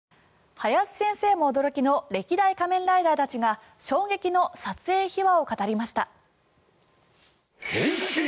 林先生も驚きの歴代仮面ライダーたちが衝撃の撮影秘話を語りました。